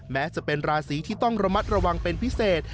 แม้จะเป็นราศีที่ต้องระมัดระวังเป็นพิเศษ